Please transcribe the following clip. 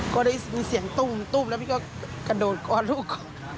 ก็ได้ยินเสียงตุ้มแล้วพี่ก็กระโดดกอดลูก